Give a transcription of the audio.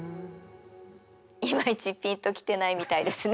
いまいちピンと来てないみたいですね。